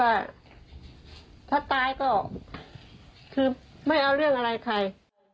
ว่าถ้าตายก็คือไม่เอาเรื่องอะไรใคร